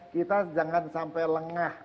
kita jangan sampai lengah